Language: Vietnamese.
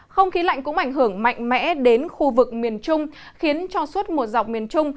không khí lạnh cũng ảnh hưởng mạnh mẽ đến khu vực miền trung khiến cho suốt một dọc miền trung